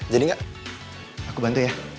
jadi gak aku bantu ya